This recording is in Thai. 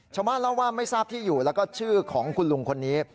ชาวบ้านเล่าว่าไม่ทราบที่อยู่แล้วก็ชื่อของคุณลุงคนนี้